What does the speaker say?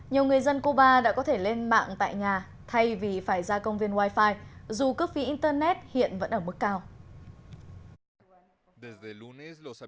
nhiều người dân cuba đã có thể lên mạng tại nhà thay vì phải ra công viên wi fi dù cấp phí internet hiện vẫn ở mức cao